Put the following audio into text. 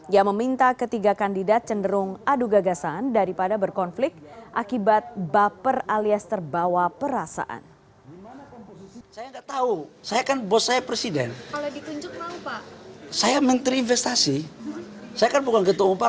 ia meminta ketiga kandidat cenderung adu gagasan daripada berkonflik akibat baper alias terbawa perasaan